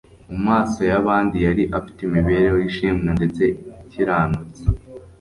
Mu maso y'abandi yari afite imibereho ishimwa ndetse ikiranutse,